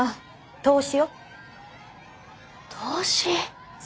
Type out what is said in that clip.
投資。